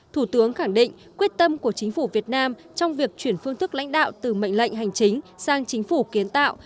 thủ tướng khẳng định quyết tâm của chính phủ việt nam trong việc chuyển phương thức lãnh đạo từ mệnh lệnh hành chính sang chính phủ kiến tạo